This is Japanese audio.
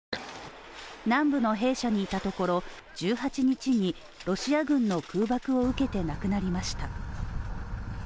南部の兵舎にいたところ１８日にロシア軍の空爆を受けて亡くなりました。